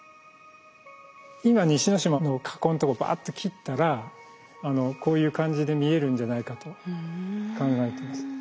今西之島の火口のとこバッと切ったらこういう感じで見えるんじゃないかと考えています。